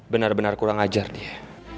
benar benar kurang ajar dia